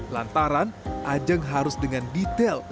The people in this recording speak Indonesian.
lantaran ajang harus dengan detail